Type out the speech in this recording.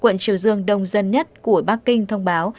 quận triều dương đông dân nhất của bắc kinh thông báo